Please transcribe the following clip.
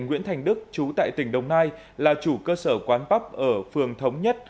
nguyễn thành đức chú tại tỉnh đồng nai là chủ cơ sở quán bắp ở phường thống nhất